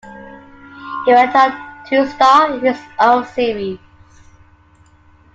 He went on to star in his own series.